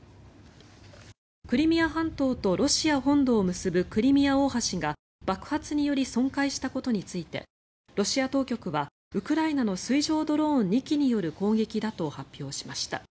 クリミア半島とロシア本土を結ぶクリミア大橋が爆発により損壊したことについてロシア当局はウクライナの水上ドローン２機による攻撃だと発表しました。